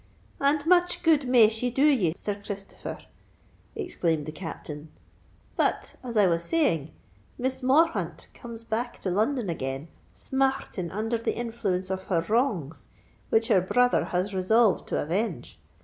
"And much good may she do ye, Sir Christopher!" exclaimed the Captain. "But, as I was saying, Miss Morthaunt comes back to London again, smar rting under the influence of her wrongs, which her brother has resolved to avenge.